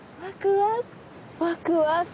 ワクワク。